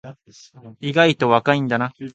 意外と若いんだな